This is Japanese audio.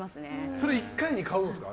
それ１回で買うんですか？